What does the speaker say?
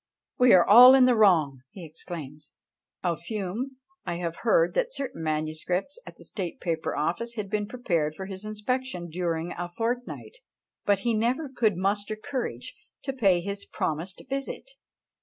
"We are all in the wrong!" he exclaims. Of Hume I have heard that certain manuscripts at the State Paper Office had been prepared for his inspection during a fortnight, but he never could muster courage to pay his promised visit.